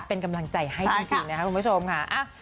เป็นกำลังใจให้จริงนะครับคุณผู้ชมค่ะ